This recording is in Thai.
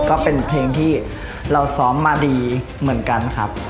ก็เป็นเพลงที่เราซ้อมมาดีเหมือนกันครับ